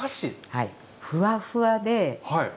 はい。